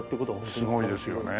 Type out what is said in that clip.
すごいですよね。